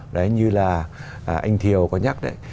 đấy như là anh thiều có nhắc đấy